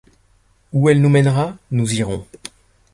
Où elle nous mènera, nous irons.